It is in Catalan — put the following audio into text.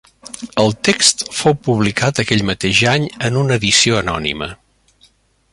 El text fou publicat aquell mateix any en una edició anònima.